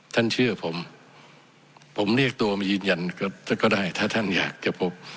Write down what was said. ท่านเชื่อผมผมเรียกตัวมายืนยันก็ได้ถ้าท่านอยากจะพบ